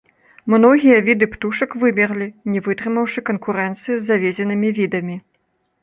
Многія віды птушак вымерлі, не вытрымаўшы канкурэнцыі з завезенымі відамі.